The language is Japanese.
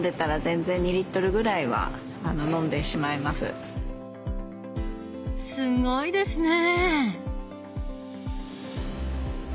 結構すごいですね！